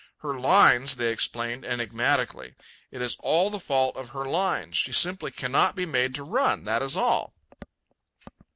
"Her lines," they explained enigmatically, "it is the fault of her lines. She simply cannot be made to run, that is all."